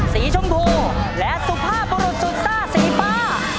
สีชมพูและสุภาพบรุษสุดซ่าสีป้า